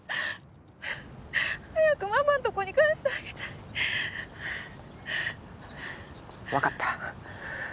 早くママんとこに返してあげたい分かった